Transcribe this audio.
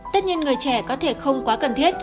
tất nhiên người trẻ có thể không quá cần thiết